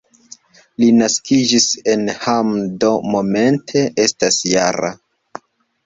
Li naskiĝis en Hamm, do momente estas -jara.